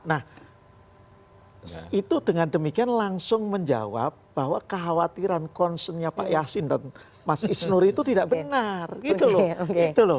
nah itu dengan demikian langsung menjawab bahwa kekhawatiran concernnya pak yasin dan mas isnur itu tidak benar gitu loh